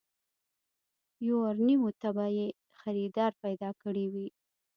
يوارنيمو ته به يې خريدار پيدا کړی وي.